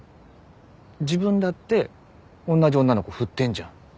自分だっておんなじ女の子振ってんじゃん。